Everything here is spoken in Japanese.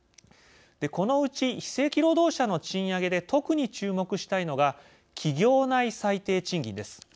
このうち非正規労働者の賃上げで特に注目したいのが企業内最低賃金です。